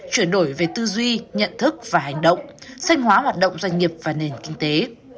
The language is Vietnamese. chuyển đổi về tư duy nhận thức và hành động sanh hóa hoạt động doanh nghiệp và nền kinh tế